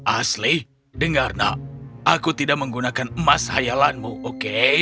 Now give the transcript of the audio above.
asli dengar nak aku tidak menggunakan emas hayalanmu oke